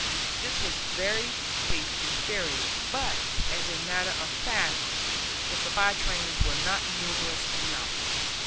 This was very pretty in theory; but, as a matter of fact, the supply trains were not numerous enough.